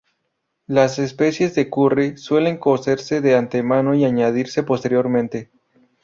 Las especias del "curry" suelen cocerse de antemano y añadirse posteriormente.